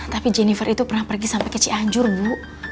tapi jennifer itu pernah pergi sampai ke cianjur bu